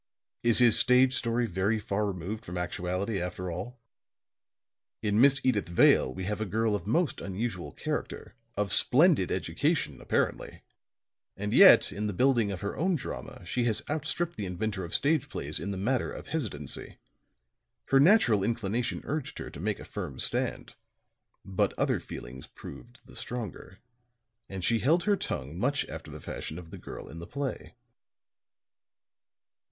Is his stage story very far removed from actuality after all? In Miss Edyth Vale, we have a girl of most unusual character, of splendid education, apparently. And yet in the building of her own drama she has outstripped the inventor of stage plays in the matter of hesitancy. Her natural inclination urged her to make a firm stand; but other feelings proved the stronger, and she held her tongue much after the fashion of the girl in the play."